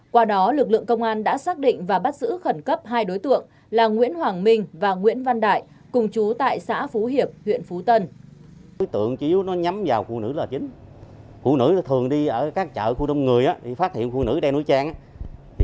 qua đó lực lượng công an đã xác định và bắt giữ khẩn cấp hai đối tượng là nguyễn hoàng minh và nguyễn văn đại cùng chú nguyễn văn đại